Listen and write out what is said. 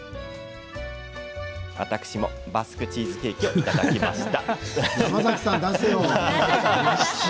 私もバスクチーズケーキをいただきました。